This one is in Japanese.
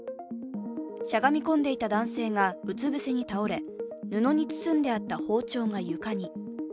しゃがみこんでいた男性がうつ伏せに倒れ、布に包んであった包丁が床に。